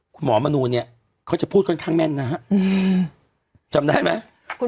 คุณหมอมนูนเนี่ยเขาจะพูดค่อนข้างแม่นนะฮะจำได้ไหม